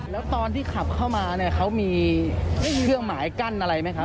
แล้วตอนที่ขับเข้ามาเนี่ยเขามีเครื่องหมายกั้นอะไรไหมครับ